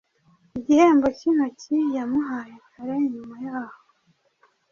Igihembo cyintoki yamuhaye kare nyuma yaho